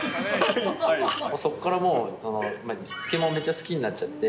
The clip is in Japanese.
そこからもう、漬物めっちゃ好きになっちゃて。